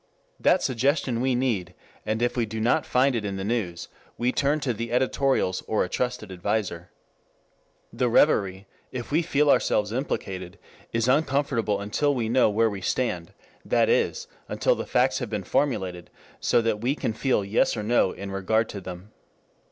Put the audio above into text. That suggestion we need, and if we do not find it in the news we turn to the editorials or to a trusted adviser. The revery, if we feel ourselves implicated, is uncomfortable until we know where we stand, that is, until the facts have been formulated so that we can feel Yes or No in regard to them.